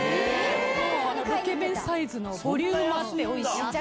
ロケ弁サイズのボリュームもあっておいしい。